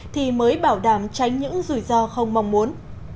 thì mới bảo đảm tránh những rủi ro không mong muốn